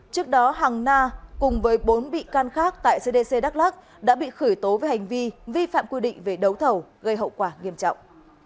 trước đó hằng na cùng với bốn bị can khác tại cdc đắk lắc đã bị khởi tố về hành vi vi phạm quy định về đấu thầu gây hậu quả nghiêm trọng